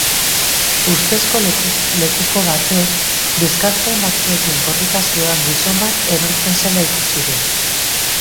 Ustezko lekuko batek bizkartzain batzuekin korrika zihoan gizon bat erortzen zela ikusi du.